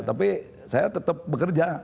tapi saya tetap bekerja